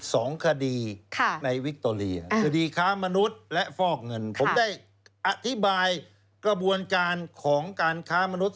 สองคดีค่ะในวิคโตเรียคดีค้ามนุษย์และฟอกเงินผมได้อธิบายกระบวนการของการค้ามนุษย